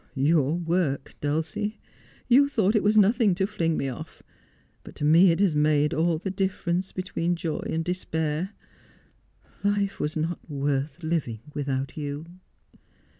' Your work, Dulcie. You thought it was nothing to fling me off; but to me it made all the difference between joy and despair. Life was not worth living without you.'